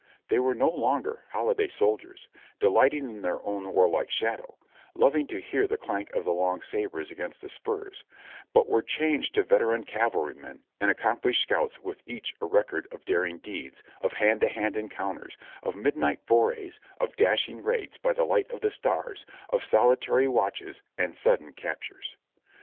They were no longer holiday soldiers, delighting in their own warHke shadow, loving to hear the clank of the long sabres against the spurs ; but were changed to veteran cavalrymen aod accomplished scouts with each a record of daring deeds, of hand to hand encounters, of midnight forays, of dashing raids by the light of the stars, of solitary watches and sudden captures.